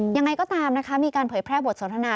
ยังไงก็ตามนะคะมีการเผยแพร่บทสนทนา